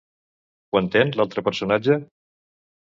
Ho entén l'altre personatge?